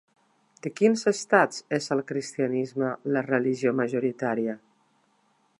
De quins estats és el cristianisme la religió majoritària?